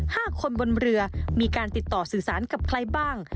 ห้าคนบนเรือมีการติดต่อสื่อสารกับใครบ้าง